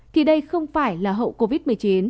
thì đây không phải là hậu covid một mươi chín